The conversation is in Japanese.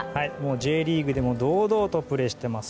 Ｊリーグでも堂々とプレーしています。